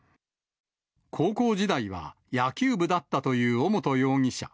高校時代は、野球部だったという尾本容疑者。